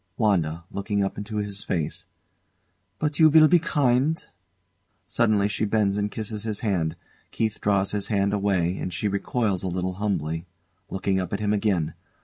WANDA. [Looking up into his face] But you will be kind? Suddenly she bends and kisses his hand. KEITH draws his hand away, and she recoils a little humbly, looking up at him again.